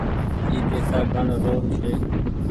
اي پئيسا گڻ رو ڇي۔